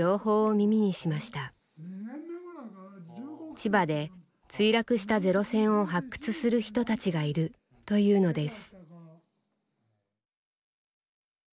千葉で墜落したゼロ戦を発掘する人たちがいるというのです。